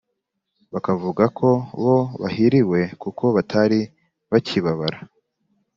bakavuga ko bo bahiriwe kuko batari bakibabara,